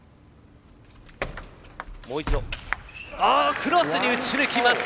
クロスに打ち抜きました！